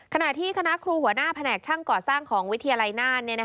ขณะที่คณะครูหัวหน้าแผนกช่างก่อสร้างของวิทยาลัยน่าน